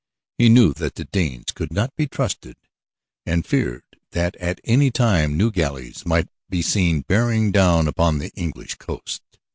He knew that the Danes could not be trusted and feared that at any time new galleys might be seen bearing down upon the English coast.